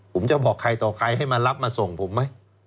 ผมจะบอกใครต่อใครให้มารับมาส่งผมไหม